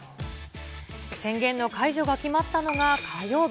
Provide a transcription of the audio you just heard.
宣言の解除が決まったのが火曜日。